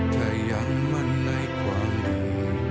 ถ้ายังมั่นในความดี